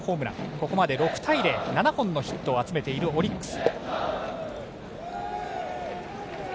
ここまで６対０７本のヒットを集めているオリックス。